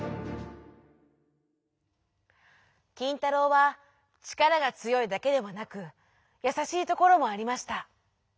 きんたろうはちからがつよいだけではなくやさしいところもありました。